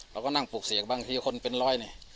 เราก็นั่งปลูกเสียงบางทีคนเป็นร้อยเนี่ย